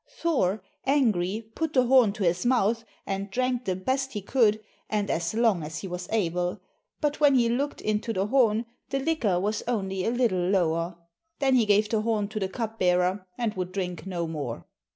Thor, angry, put the horn to his mouth and drank the best he could and as long as he was able, but when he looked into the horn the liquor was only a little lower. Then he gave the horn to the cup bearer, and would drink no more.